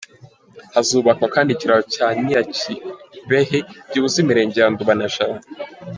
Hazubakwa kandi ikiraro cya Nyirakibehe gihuza imirenge ya Nduba na Jabana.